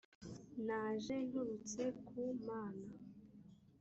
naje nturutse ku mana